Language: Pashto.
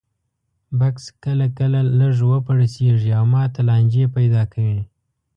بکس کله کله لږ وپړسېږي او ماته لانجې پیدا کوي.